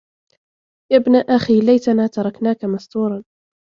يَا ابْنَ أَخِي لَيْتَنَا تَرَكْنَاك مَسْتُورًا